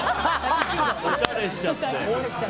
おしゃれしちゃって。